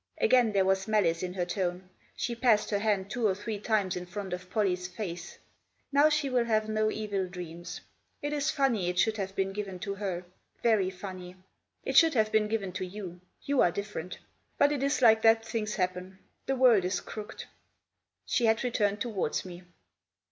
Again there was malice in her tone. She passed her hand two or three times in front of Pollie's face. " Now she'll have no evil dreams. It is funny it should have been given to her ; very funny. It should have been given to you ; you are different. But it is like that things happen ; the world is crooked." She had returned towards me.